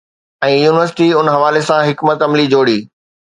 ۽ university ان حوالي سان حڪمت عملي جوڙي